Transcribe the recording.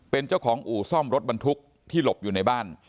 เป็นเจ้าของอู่ซ่อมรถบรรทุกที่หลบอยู่ในบ้าน